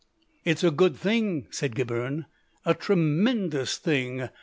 "It's a good thing," said Gibberne, "a tremendous thing.